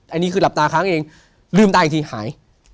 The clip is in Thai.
อันนี้คือหลับตาค้างเองลืมตาอีกทีหาย